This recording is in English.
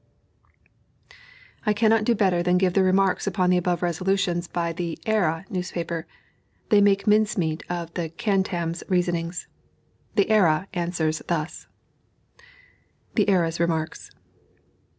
I cannot do better than give the remarks upon the above resolutions by the "Era" newspaper; they make mince meat of the Cantabs' reasonings. The "Era" answers thus: THE "ERA'S" REMARKS.